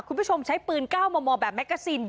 คุณผู้ชมใช้ปืนก้าวหมอแบบแม็กเกอร์ซีน